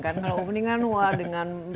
kan kalau opening kan wah dengan